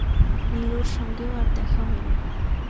নীলুর সঙ্গেও আর দেখা হয়নি।